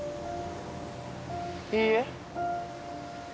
いいえ。